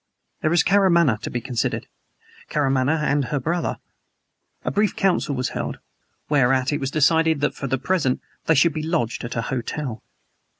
There was Karamaneh to be considered Karamaneh and her brother. A brief counsel was held, whereat it was decided that for the present they should be lodged at a hotel.